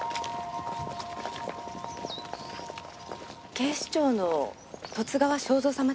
警視庁の十津川省三様ですね？